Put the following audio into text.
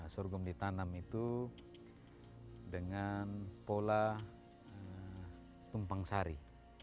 sorghum ditanam itu dengan pola tumpang sari